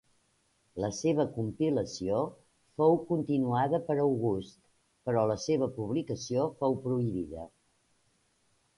La seva compilació fou continuada per August, però la seva publicació fou prohibida.